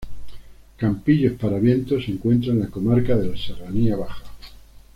Campillos-Paravientos se encuentra en la comarca de la Serranía Baja.